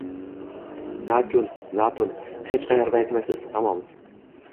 Na kun, na tun, hech qaerda aytmaysiz, tamom.